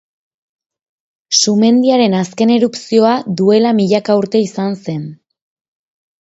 Sumendiaren azken erupzioa duela milaka urte izan zen.